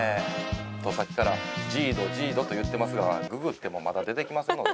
さっきからＪＩＤＯＪＩＤＯと言ってますがググってもまだ出てきませんので。